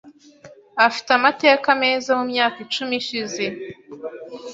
Afite amateka meza mumyaka icumi ishize.